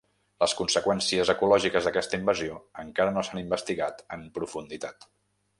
Les conseqüències ecològiques d'aquesta invasió encara no s'han investigat en profunditat.